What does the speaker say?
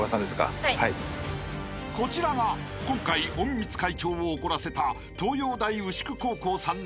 ［こちらが今回隠密会長を怒らせた］